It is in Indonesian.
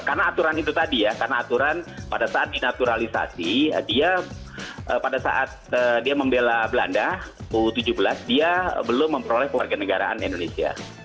karena aturan itu tadi ya karena aturan pada saat dinaturalisasi dia pada saat dia membela belanda u tujuh belas dia belum memperoleh warganegaraan indonesia